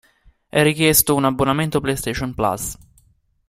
È richiesto un abbonamento PlayStation Plus.